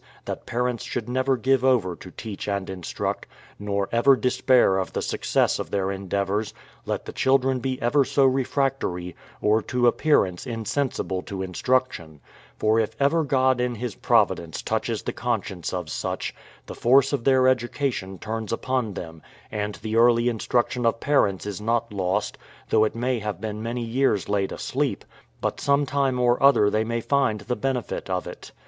that parents should never give over to teach and instruct, nor ever despair of the success of their endeavours, let the children be ever so refractory, or to appearance insensible to instruction; for if ever God in His providence touches the conscience of such, the force of their education turns upon them, and the early instruction of parents is not lost, though it may have been many years laid asleep, but some time or other they may find the benefit of it.